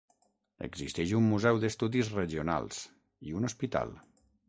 Existeix un museu d'estudis regionals, i un hospital.